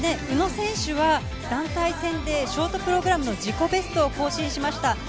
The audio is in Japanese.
宇野選手は団体戦でショートプログラムの自己ベストを更新しました。